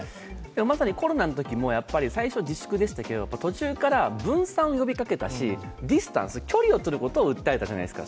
まさにコロナの時も最初自粛でしたけれども途中から分散を呼びかけたしディスタンス、距離を取ることを訴えたじゃないですか。